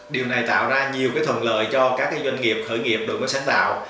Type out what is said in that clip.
điều này tạo ra nhiều thuận lợi cho các doanh nghiệp khởi nghiệp đổi mới sáng tạo